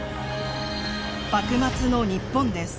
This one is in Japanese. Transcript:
幕末の日本です。